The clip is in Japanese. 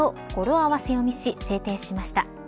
合わせ読みし制定しました。